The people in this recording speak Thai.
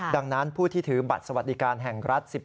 ดังนั้นผู้ที่ถือบัตรสวัสดิการแห่งรัฐ๑๕